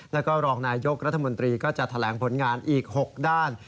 แล้วก็รองนายยกรัฐมนตรีก็จะแถลงผลงานอีก๖ด้าน